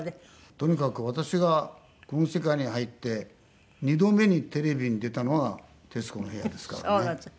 とにかく私がこの世界に入って２度目にテレビに出たのが『徹子の部屋』ですからね。